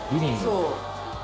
そう。